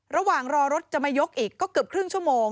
ระหว่างรอรถจะมายกอีกก็เกือบครึ่งชั่วโมง